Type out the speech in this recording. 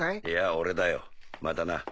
いや俺だよまたな。